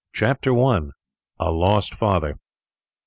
Chapter 1: A Lost Father.